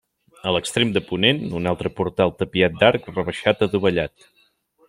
A l'extrem de ponent, un altre portal tapiat d'arc rebaixat adovellat.